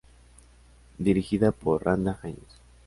Dirigida por Randa Haines.